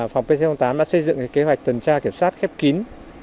phòng pc tám đã xây dựng kế hoạch tuần tra kiểm soát khép kín hai mươi bốn hai mươi bốn